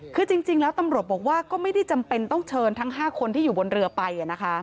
คือจริงแล้วตำรวจบอกว่าก็ไม่ได้จำเป็นต้องเชิญทั้ง๕คนที่อยู่บนเรือไป